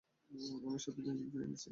আমি এসব থেকে নিজেকে ফিরিয়ে নিচ্ছি।